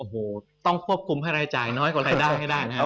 โอ้โหต้องควบคุมให้รายจ่ายน้อยกว่ารายได้ให้ได้นะครับ